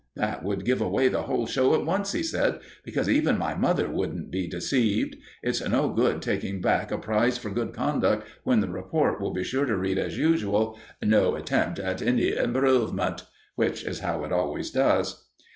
"That would give away the whole show at once," he said. "Because even my mother wouldn't be deceived. It's no good taking back a prize for good conduct when the report will be sure to read as usual 'No attempt at any improvement,' which is how it always goes."